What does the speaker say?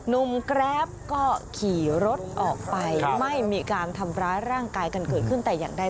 แกรปก็ขี่รถออกไปไม่มีการทำร้ายร่างกายกันเกิดขึ้นแต่อย่างใด